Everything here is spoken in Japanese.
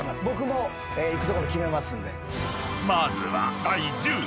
［まずは第１０位］